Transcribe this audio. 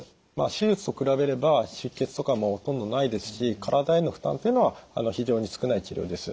手術と比べれば出血とかもほとんどないですし体への負担というのは非常に少ない治療です。